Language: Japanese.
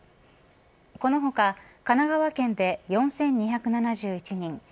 この他、神奈川県で４２７１人